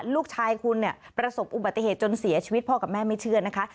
ลูกชายคุณเนี่ยประสบอุบัติเหตุจนเสียชีวิตพ่อกับแม่ไม่เชื่อนะคะ